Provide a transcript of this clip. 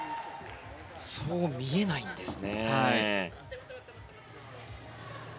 そう見えないんですね。